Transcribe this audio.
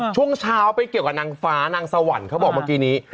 ช่วงเช้าไปเกี่ยวกับนางฟ้านางสวรรค์เขาบอกเมื่อกี้นี้